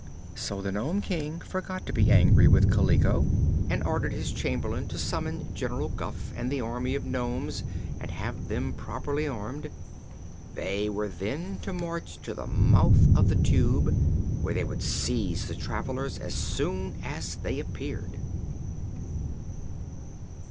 So the Nome King forgot to be angry with Kaliko and ordered his Chamberlain to summon General Guph and the army of nomes and have them properly armed. They were then to march to the mouth of the Tube, where they could seize the travelers as soon as they appeared.